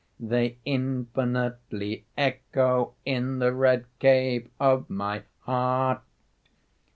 They infinitely echo In the red cave of my heart.